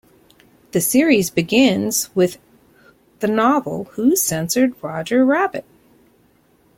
The series begins with the novel Who Censored Roger Rabbit?